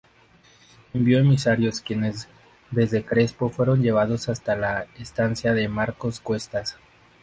Envió emisarios quienes desde Crespo fueron llevados hasta la estancia de Marcos Cuestas.